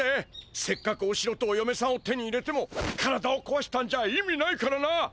せっかくおしろとおよめさんを手に入れても体をこわしたんじゃ意味ないからな！